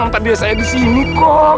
tempat dia saya di sini kok